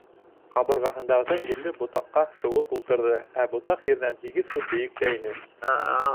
Ҡабырғаһындағы елле ботаҡҡа шыуып ултырҙы, ә ботаҡ ерҙән һигеҙ фут бейектә ине.